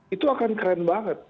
itu akan keren banget